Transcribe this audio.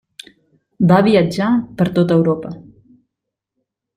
Va viatjar per tota Europa.